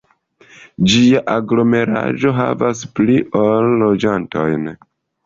Ĝia aglomeraĵo havas pli ol loĝantojn.